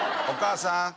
お義母さん